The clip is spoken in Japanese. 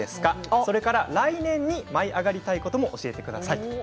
それから来年に舞い上がりたいことも、教えてください。